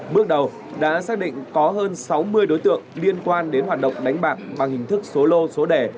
bước đầu đã xác định có hơn sáu mươi đối tượng liên quan đến hoạt động đánh bạc bằng hình thức số lô số đẻ